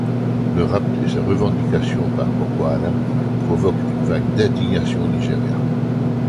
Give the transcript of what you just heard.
Le rapt et sa revendication par Boko Haram provoquent une vague d'indignation au Nigeria.